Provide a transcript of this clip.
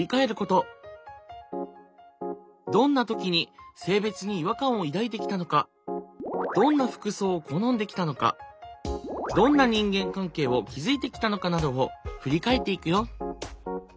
どんな時に性別に違和感を抱いてきたのかどんな服装を好んできたのかどんな人間関係を築いてきたのかなどを振り返っていくよ。